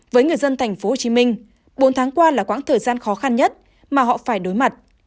với người dân tp hcm bốn tháng qua là quãng thời gian khó khăn nhất mà họ phải đối mặt